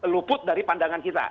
luput dari pandangan kita